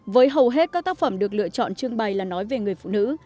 với hầu hết các tác phẩm được lựa chọn trưng bày là nói về người phụ nữ